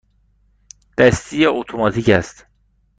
دستی یا اتوماتیک است؟